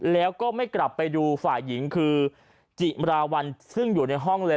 แล้วก็ไม่กลับไปดูฝ่ายหญิงคือจิมราวัลซึ่งอยู่ในห้องเลย